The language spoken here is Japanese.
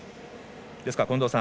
ですから、近藤さん